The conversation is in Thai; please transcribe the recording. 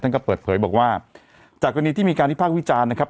ก็เปิดเผยบอกว่าจากกรณีที่มีการวิพากษ์วิจารณ์นะครับ